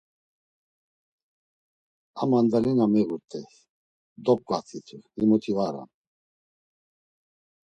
A mandalina miğurt̆ey, dopǩvatitu himuti var on.